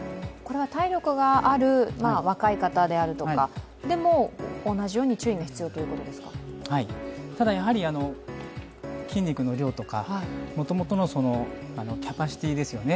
体力がある若い方であるとかでも同じように注意が必要というこただ、筋肉の量とかもともとのキャパシティですよね。